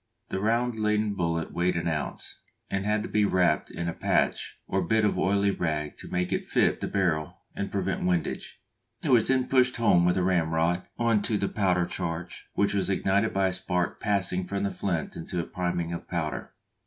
The round leaden bullet weighed an ounce, and had to be wrapped in a "patch" or bit of oily rag to make it fit the barrel and prevent windage; it was then pushed home with a ramrod on to the powder charge, which was ignited by a spark passing from the flint into a priming of powder.